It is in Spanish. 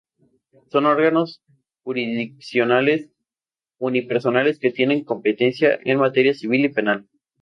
Son órganos jurisdiccionales unipersonales que tienen competencia en materia civil y penal.